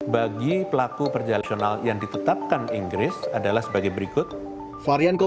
bagi pelaku perjalanan internasional yang ditetapkan inggris adalah sebagai berikut